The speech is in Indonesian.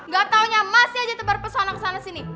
gak taunya masih aja tebar pesona kesana sini